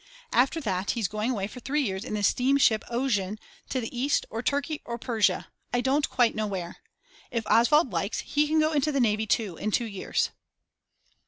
After that he's going away for three years in the steamship "Ozean" to the East or Turkey or Persia, I don't quite know where. If Oswald likes he can go into the Navy too in two years.